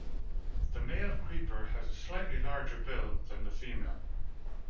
The male creeper has a slightly larger bill than the female.